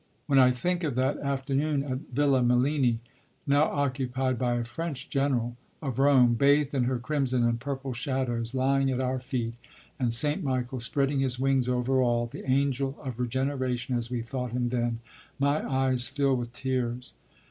When I think of that afternoon at Villa Mellini (now occupied by a French general), of Rome, bathed in her crimson and purple shadows, lying at our feet, and St. Michael spreading his wings over all the Angel of Regeneration as we thought him then my eyes fill with tears.